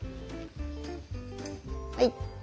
はい。